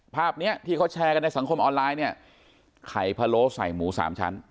ภาพเนี้ยที่เขาแชร์กันในสังคมออนไลน์เนี่ยไข่พะโล้ใส่หมูสามชั้น